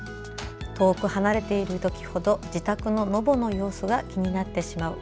遠く離れている時ほど自宅のノボの様子が気になってしまう。